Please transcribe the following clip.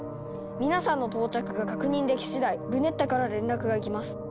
皆さんの到着が確認できしだいルネッタから連絡が行きます。